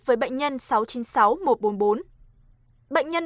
với bệnh nhân sáu trăm chín mươi sáu một trăm bốn mươi bốn